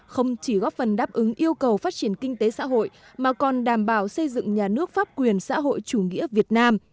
không chỉ góp phần đáp ứng yêu cầu phát triển kinh tế xã hội mà còn đảm bảo xây dựng nhà nước pháp quyền xã hội chủ nghĩa việt nam